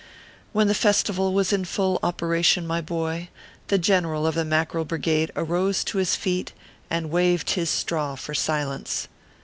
When the festival was in full operation, my boy, the General of the Mackerel Brigade arose to his feet, and waved his straw for silence.